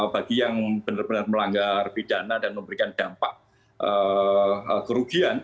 bagi yang benar benar melanggar pidana dan memberikan dampak kerugian